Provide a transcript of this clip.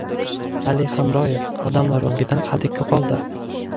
Ali Hamroyev: odamlar ongidan hadik yo‘qoldi